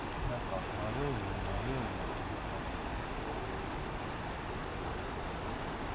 何か迷うように迷うような展開になっちゃったから。